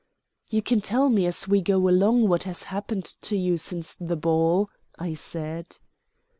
"You can tell me as we go along what has happened to you since the ball," I said.